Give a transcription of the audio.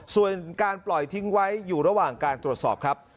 ส่วนการปล่อยทิ้งไว้อยู่ระหว่างการตรวจสอบครับ